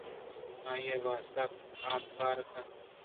آئی ءِ واستہ آپ کار اَنت